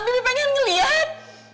bibi pengen ngeliat